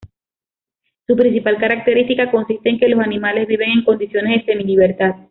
Su principal característica consiste en que los animales viven en condiciones de semi libertad.